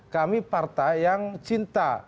kami partai yang cinta